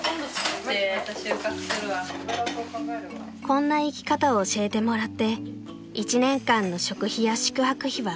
［こんな生き方を教えてもらって１年間の食費や宿泊費は無料］